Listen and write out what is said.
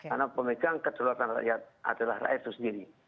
karena pemegang kedaulatan rakyat adalah rakyat itu sendiri